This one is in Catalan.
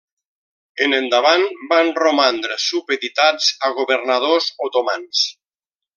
En endavant van romandre supeditats a governadors otomans.